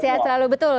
sehat selalu betul